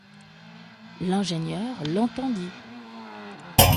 L’ingénieur l’entendit